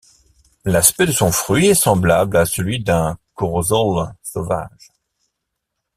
L’aspect de son fruit est semblable à celui d’un corossol sauvage.